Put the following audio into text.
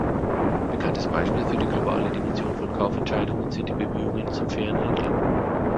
Bekanntes Beispiel für die globale Dimension von Kaufentscheidungen sind die Bemühungen zum fairen Handel.